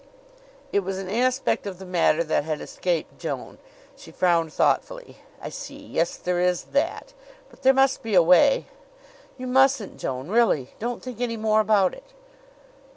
It was an aspect of the matter that had escaped Joan. She frowned thoughtfully. "I see. Yes, there is that; but there must be a way." "You mustn't, Joan really! don't think any more about it."